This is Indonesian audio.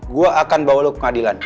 gue akan bawa lo ke pengadilan